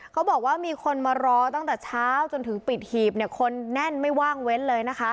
เขาบอกว่ามีคนมารอตั้งแต่เช้าจนถึงปิดหีบเนี่ยคนแน่นไม่ว่างเว้นเลยนะคะ